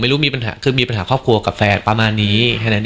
รู้มีปัญหาคือมีปัญหาครอบครัวกับแฟนประมาณนี้แค่นั้น